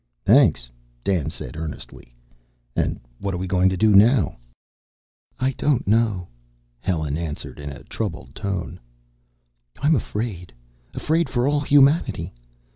"Thanks," Dan said, earnestly. "And what are we going to do now?" "I don't know," Helen answered in a troubled tone. "I'm afraid. Afraid for all humanity.